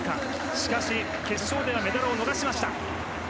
しかし決勝ではメダルを逃しました。